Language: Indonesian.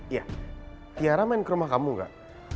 iya tiara main ke rumah kamu gak